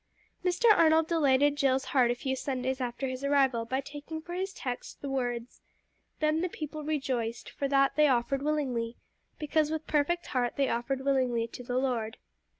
Mr. Arnold delighted Jill's heart a few Sundays after his arrival by taking for his text the words: "Then the people rejoiced, for that they offered willingly, because with perfect heart they offered willingly to the Lord.